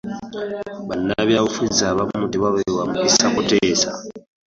Bannabyabufuzi abamu tebaweebwa mukisa kuteesa .